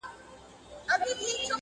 تر قلمه د بېلتون عزرایل راسي!٫.